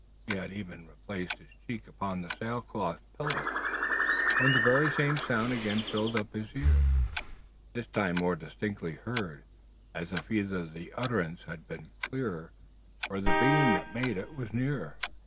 He had even replaced his cheek upon the sail cloth pillow, when the very same sound again fill upon his ear, this time more distinctly heard, as if either the utterance had been clearer or the being that made it was nearer!